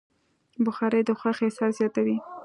بخاري د خوښۍ احساس زیاتوي.